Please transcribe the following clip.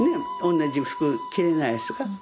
同じ服着れないですが。